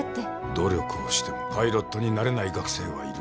努力をしてもパイロットになれない学生はいる。